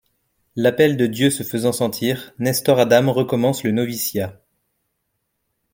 L'appel de Dieu se faisant sentir, Nestor Adam recommence le noviciat.